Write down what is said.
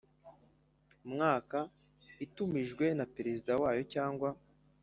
Mwaka itumijwe na perezida wayo cyangwa